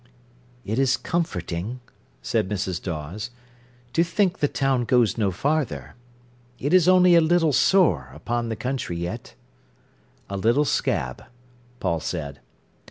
"It is comforting," said Mrs. Dawes, "to think the town goes no farther. It is only a little sore upon the country yet." "A little scab," Paul said.